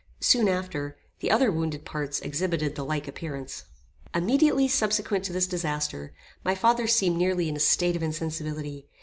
Soon after, the other wounded parts exhibited the like appearance. Immediately subsequent to this disaster, my father seemed nearly in a state of insensibility.